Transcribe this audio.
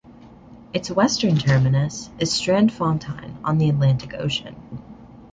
Its western terminus is Strandfontein on the Atlantic Ocean.